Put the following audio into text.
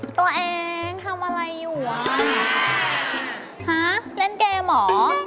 ตัวเองทำอะไรอยู่วะฮะเล่นเกมเหรอ